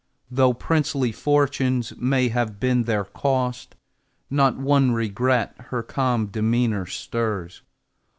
Though princely fortunes may have been their cost, Not one regret her calm demeanor stirs.